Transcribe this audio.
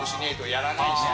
やらないよ。